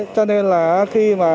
cho nên là khi mà